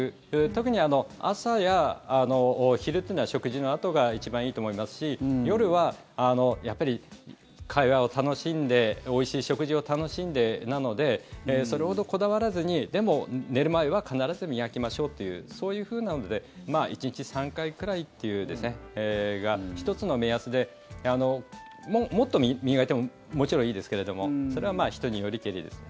特に朝や昼というのは食事のあとが一番いいと思いますし夜は、やっぱり会話を楽しんでおいしい食事を楽しんでなのでそれほどこだわらずにでも、寝る前は必ず磨きましょうというそういうふうなので１日３回くらいが１つの目安でもっと磨いてももちろんいいですけどそれは、人によりけりです。